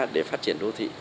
để phát triển đô thị